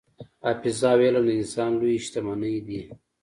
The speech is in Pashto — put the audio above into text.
حافظه او علم د انسان لویې شتمنۍ دي.